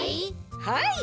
はい。